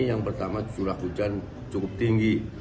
yang pertama curah hujan cukup tinggi